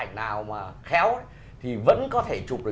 câm ui chi